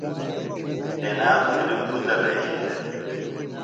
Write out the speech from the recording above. تنام جُھلیۡ پُھتہ بھشیۡ دےۡ۔